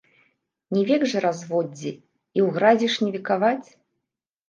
Не век жа разводдзе і ў гразі ж не векаваць.